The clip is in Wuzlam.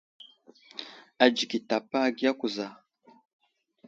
Adzik i tapa agiya kuza.